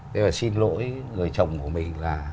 thế mà xin lỗi người chồng của mình